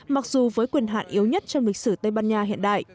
mặc dù với quyền hạn yếu nhất trong lịch sử tây ban nha hiện đại